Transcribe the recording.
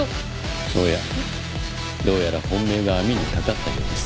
おやどうやら本命が網に掛かったようです。